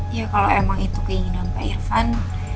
ya kalau emang itu keinginan pak irfan